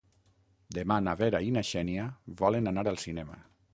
Demà na Vera i na Xènia volen anar al cinema.